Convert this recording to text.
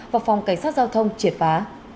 và phòng cảnh sát giao thông triệt phá